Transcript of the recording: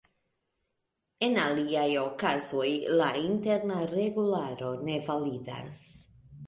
En aliaj okazoj, la Interna Regularo ne validas.